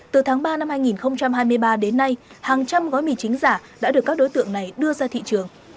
từ tháng ba năm hai nghìn hai mươi ba đến nay hàng trăm gói mì chính giả đã được các đối tượng này đưa ra thị trường